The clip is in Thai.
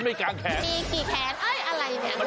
กลางแขนมีกี่แขนเอ้ยอะไรเนี่ย